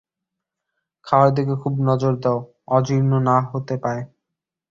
খাওয়ার দিকে খুব নজর দাও, অজীর্ণ না হতে পায়।